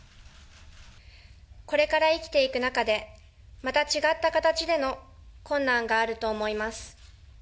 これから生きていく中で、また違った形での困難があると思います。